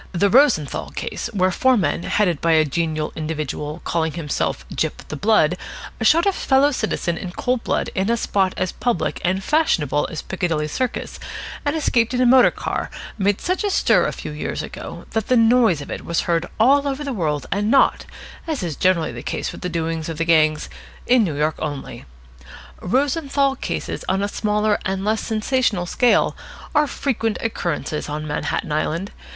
The Rosenthal case, where four men, headed by a genial individual calling himself "Gyp the Blood" shot a fellow citizen in cold blood in a spot as public and fashionable as Piccadilly Circus and escaped in a motor car, made such a stir a few years ago that the noise of it was heard all over the world and not, as is generally the case with the doings of the gangs, in New York only. Rosenthal cases on a smaller and less sensational scale are frequent occurrences on Manhattan Island.